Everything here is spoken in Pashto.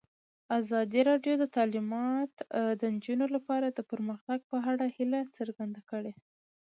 ازادي راډیو د تعلیمات د نجونو لپاره د پرمختګ په اړه هیله څرګنده کړې.